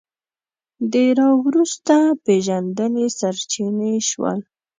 د راوروسته پېژندنې سرچینې شول